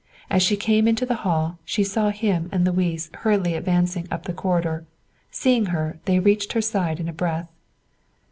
As she came into the hall, she saw him and Louis hurriedly advancing up the corridor. Seeing her, they reached her side in a breath.